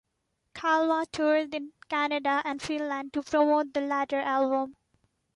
Kalmah toured in Canada and Finland to promote the latter album.